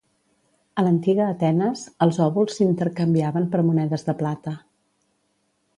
A l'antiga Atenes, els òbols s'intercanviaven per monedes de plata.